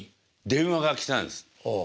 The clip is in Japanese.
電話が来たんです。